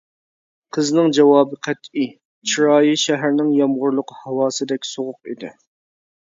قىزنىڭ جاۋابى قەتئىي، چىرايى شەھەرنىڭ يامغۇرلۇق ھاۋاسىدەك سوغۇق ئىدى.